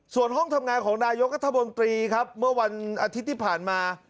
ส่วนห้องทำงานของนายกัธมนตรีครับเมื่อวันอาทิตย์ที่ผ่านมา